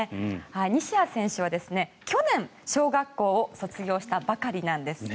西矢選手は去年、小学校を卒業したばかりなんです。